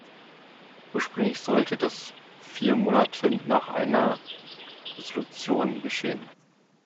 Ursprünglich sollte das vier Monate nach einer Resolution geschehen.